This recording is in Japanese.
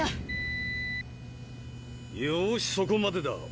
よしそこまでだ。